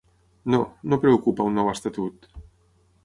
No, no preocupa un nou estatut.